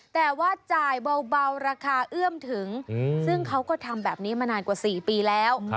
แต่ว่าจ่ายเบาราคาเอื้อมถึงซึ่งเขาก็ทำแบบนี้มานานกว่า๔ปีแล้ว